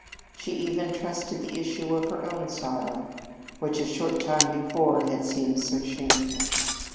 She even trusted the issue of her own sorrow, which, a short time before, had seemed so shameful.